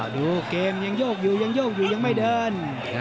ดูเกมยังโยกอยู่ยังโยกอยู่ยังไม่เดิน